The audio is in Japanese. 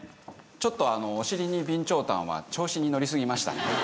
ちょっとお尻に備長炭は調子に乗り過ぎましたね。